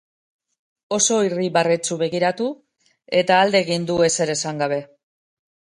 Oso irribarretsu begiratu, eta alde egin du, ezer esan gabe.